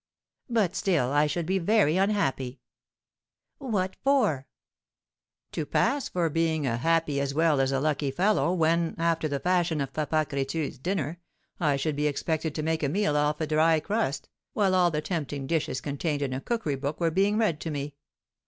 "But still I should be very unhappy." "What for?" "To pass for being a happy as well as a lucky fellow, when, after the fashion of Papa Crétu's dinner, I should be expected to make a meal off a dry crust, while all the tempting dishes contained in a cookery book were being read to me."